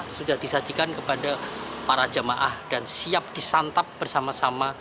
sudah disajikan kepada para jamaah dan siap disantap bersama sama